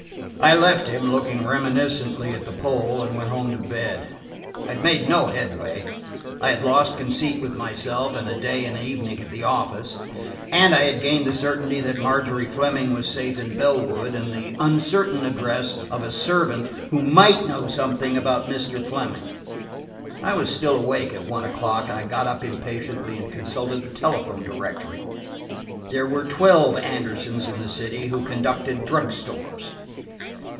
I left him looking reminiscently at the pole, and went home to bed. I had made no headway, I had lost conceit with myself and a day and evening at the office, and I had gained the certainty that Margery Fleming was safe in Bellwood and the uncertain address of a servant who might know something about Mr. Fleming. I was still awake at one o'clock and I got up impatiently and consulted the telephone directory. There were twelve Andersons in the city who conducted drug stores.